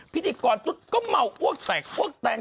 พิธีกรตุ๊ดก็เมาอ้วกแตกอ้วกแตน